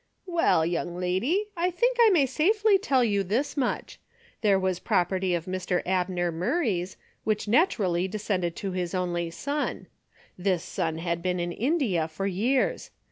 " Well, young lady, I think I may safely tell you this much. There was property of Mr. Abner Murray's, which naturally de scended to his only son. This son had been in India for years.